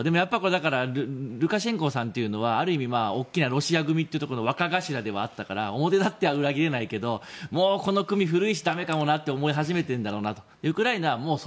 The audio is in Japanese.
だからルカシェンコさんというのはある意味大きなロシア組という若頭であったから表立っては裏切れないけどこの組は古いしだめかもと思い始めているんだろうなというような。